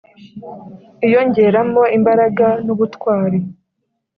iyongeremo imbaraga n'ubutwari.